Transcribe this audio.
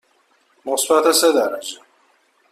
مثبت سه درجه.